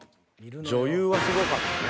女優はスゴかったね。